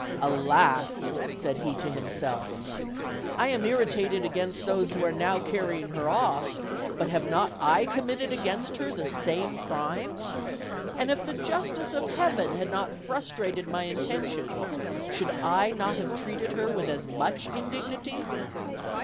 "Alas!" said he to himself, ''I am irritated against those who are now carrying her off, but have I not committed against her the same crime? And if the justice of Heaven had not frustrated my intentions, should I not have treated her with as much indignity?"